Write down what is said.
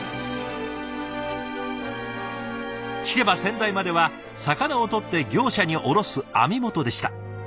聞けば先代までは魚をとって業者に卸す網元でした。